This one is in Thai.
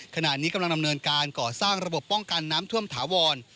ขณะนี้กำลังดำเนินการก่อสร้างระบบป้องกันน้ำท่วมถาวร